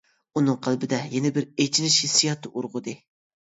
ئۇنىڭ قەلبىدە يەنە بىر ئېچىنىش ھېسسىياتى ئۇرغۇدى.